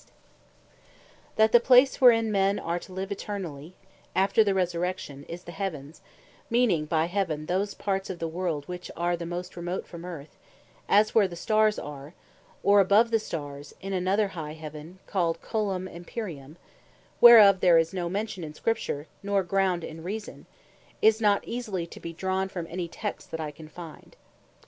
Ascension Into Heaven That the place wherein men are to live Eternally, after the Resurrection, is the Heavens, meaning by Heaven, those parts of the world, which are the most remote from Earth, as where the stars are, or above the stars, in another Higher Heaven, called Caelum Empyreum, (whereof there is no mention in Scripture, nor ground in Reason) is not easily to be drawn from any text that I can find.